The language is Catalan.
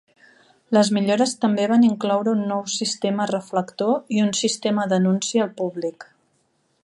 Les millores també van incloure un nou sistema reflector i un sistema d'anunci al públic.